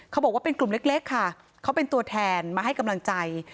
เขาบอกว่าเป็นกลุ่มเล็กค่ะเขาเป็นตัวแทนมาให้กำลังใจ